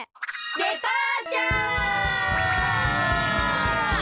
デパーチャー！